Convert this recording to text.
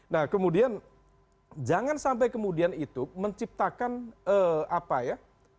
nah kemudian jangan sampai kemudian itu menciptakan apa ya